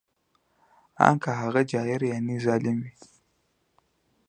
ان که هغه جائر یعنې ظالم وي